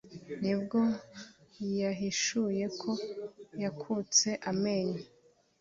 nibwo yahishuye ko yakutse amenyo